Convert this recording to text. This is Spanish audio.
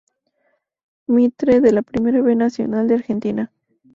Mitre de la Primera B Nacional de Argentina.